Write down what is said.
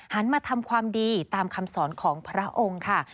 หันมาทำความดีตามคำสอนของพระองค์ค่ะ